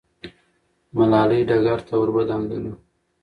ملالۍ ډګر ته ور دانګله.